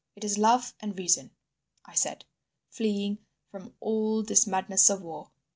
"'It is love and reason,' I said, 'fleeing from all this madness of war.